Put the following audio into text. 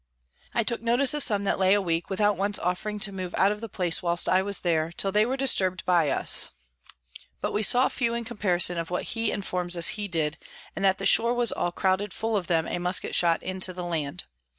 I took notice of some that lay a week, without once offering to move out of the place whilst I was there, till they were disturb'd by us; but we saw few in comparison of what he informs us he did, and that the Shore was all crouded full of them a Musket shot into the Land.